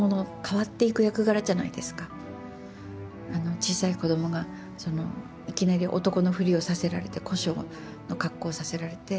小さい子どもがいきなり男のふりをさせられて小姓の格好をさせられて。